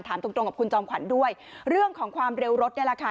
ตรงตรงกับคุณจอมขวัญด้วยเรื่องของความเร็วรถนี่แหละค่ะ